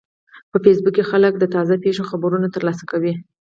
په فېسبوک کې خلک د تازه پیښو خبرونه ترلاسه کوي